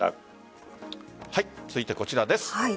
続いてはこちらです。